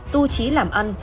tu trí làm ăn